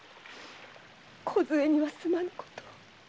こずえにはすまぬことを！